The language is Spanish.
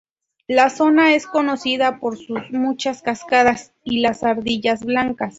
La zona es conocida por sus muchas cascadas y las ardillas blancas.